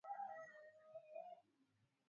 Vitabu vile ni vingi.